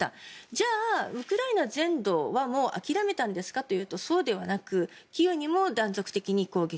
じゃあ、ウクライナ全土はもう諦めたんですかというとそうではなくキーウにも断続的に攻撃。